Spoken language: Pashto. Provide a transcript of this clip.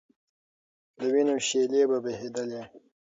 د وینو شېلې به بهېدلې.